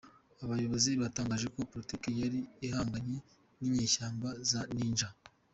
Abayobozi batangaje ko polisi yari ihanganye n’inyeshyamba za Ninjas.